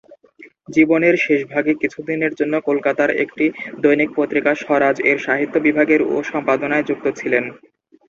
জীবনের শেষভাগে কিছুদিনের জন্য কলকাতার একটি দৈনিক পত্রিকা "স্বরাজ"-এর সাহিত্য বিভাগের সম্পাদনায় নিযুক্ত ছিলেন।